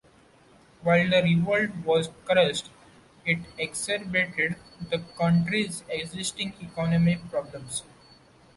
While the revolt was crushed, it exacerbated the country's existing economic problems.